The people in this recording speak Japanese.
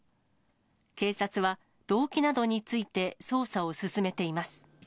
警察は、動機などについて捜査を進めています。